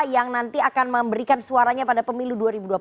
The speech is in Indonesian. yang nanti akan memberikan suaranya pada pemilu dua ribu dua puluh